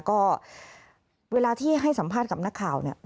ก็เวลาที่ให้สัมภาษณ์กับนักข่าวเนี่ย